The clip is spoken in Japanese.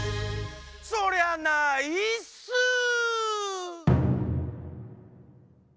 そりゃないっすー！